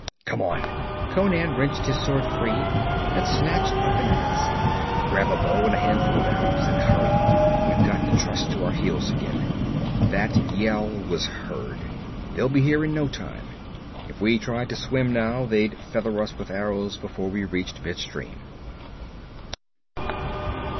'Come on!' Conan wrenched his sword free and snatched up an ax. 'Grab a bow and a handful of arrows, and hurry! We've got to trust to our heels again. That yell was heard. They'll be here in no time. If we tried to swim now, they'd feather us with arrows before we reached midstream!'